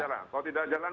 kalau tidak jalan